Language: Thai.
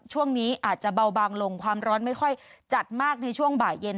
ช่วงนี้อาจจะเบาบางลงความร้อนไม่ค่อยจัดมากในช่วงบ่ายเย็น